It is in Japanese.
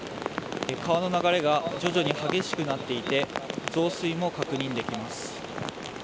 川の流れが徐々に激しくなっていて増水も確認できます。